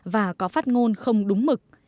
và có phát ngôn không đúng mực